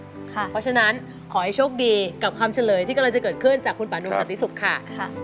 เพราะฉะนั้นขอให้โชคดีกับคำเฉลยที่กำลังจะเกิดขึ้นจากคุณป่านูสันติสุขค่ะ